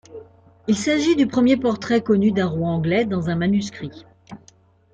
Il s'agit du premier portrait connu d'un roi anglais dans un manuscrit.